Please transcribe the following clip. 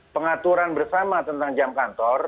pengaturan bersama tentang jam kantor